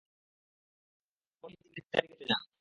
পেটের বর্শা নিয়েই তিনি তার দিকে ছুটে যান।